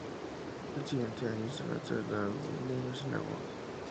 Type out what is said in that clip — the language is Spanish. El siguiente año se lanzó el álbum "Niño sin amor".